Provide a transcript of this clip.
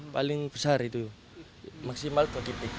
paling besar itu maksimal dua titik